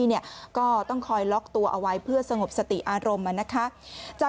หนูบอกอย่ามายุ่งกับกู